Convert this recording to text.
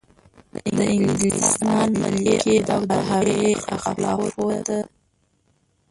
د انګلستان ملکې او د هغې اخلافو ته.